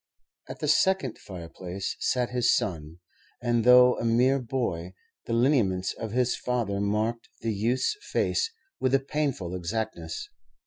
At the second fireplace sat his son, and, though a mere boy, the lineaments of his father marked the youth's face with a painful exactness.